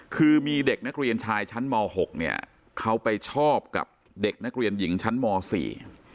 คือมีเด็กนักเรียนชายชั้นมหกเนี่ยเขาไปชอบกับเด็กนักเรียนหญิงชั้นมสี่